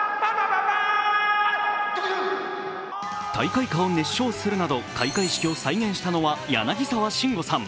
大会歌を熱唱するなど開会式を再現したのは柳沢慎吾さん。